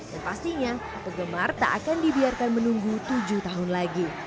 dan pastinya penggemar tak akan dibiarkan menunggu tujuh tahun lagi